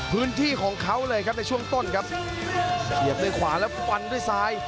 ขวางเขาเลยครับในช่วงต้นครับเขียบด้วยขวาและฟันด้วยซ้าย